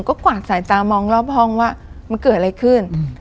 ก็กวาดสายตามองรอบห้องว่ามันเกิดอะไรขึ้น